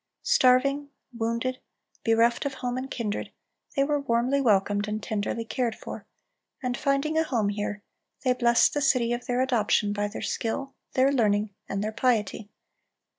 Starving, wounded, bereft of home and kindred, they were warmly welcomed and tenderly cared for; and finding a home here, they blessed the city of their adoption by their skill, their learning, and their piety.